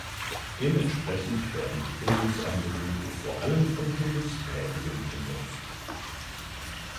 Dementsprechend werden die Bildungsangebote vor allem von Berufstätigen genutzt.